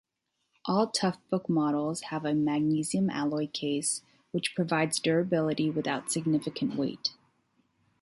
All Toughbook models have a magnesium alloy case, which provides durability without significant weight.